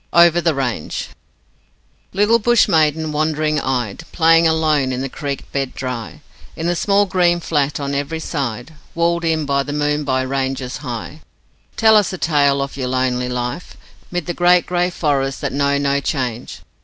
Over the Range Little bush maiden, wondering eyed, Playing alone in the creek bed dry, In the small green flat on every side Walled in by the Moonbi ranges high; Tell us the tale of your lonely life, 'Mid the great grey forests that know no change.